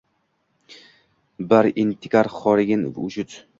Bir entikar xorigan vujud